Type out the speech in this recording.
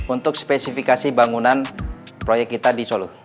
untuk spesifikasi bangunan proyek kita di solo